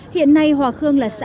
hiện nay hòa khương là xã